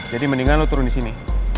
jadi mendingan lu turun di sini